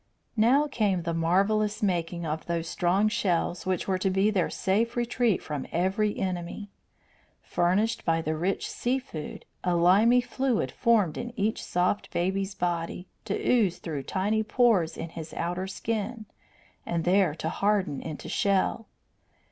Now came the marvellous making of those strong shells which were to be their safe retreat from every enemy. Furnished by the rich seafood, a limy fluid formed in each soft baby's body, to ooze through tiny pores in his outer skin, and there to harden into shell.